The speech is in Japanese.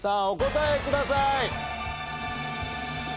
お答えください。